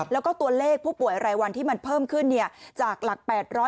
แล้วก็ตัวเลขผู้ป่วยรายวันที่มันเพิ่มขึ้นจากหลัก๘๐๐